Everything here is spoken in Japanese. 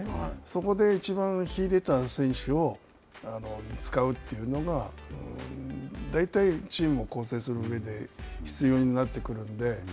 そこでいちばん秀でた選手を使うというのが、大体チームを攻勢する上で必要になってくるので。